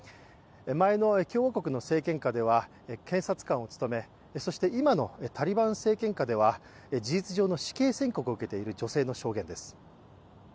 前の共和国の政権下では検察官を務め今のタリバン政権下では事実上の死刑宣告を受けている女性の証言です。